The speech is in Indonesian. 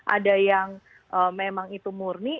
ada yang memang itu murni